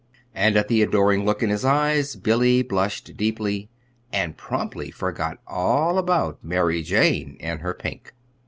And at the adoring look in his eyes Billy blushed deeply and promptly forgot all about Mary Jane and her pink.